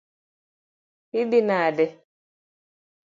Idhi nade?